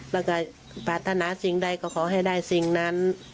แล้วก็ปรารถนาสิ่งใดก็ขอให้ได้สิ่งนั้น